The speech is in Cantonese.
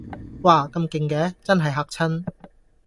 嘩咁勁嘅真係嚇親